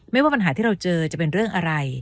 ว่าปัญหาที่เราเจอจะเป็นเรื่องอะไร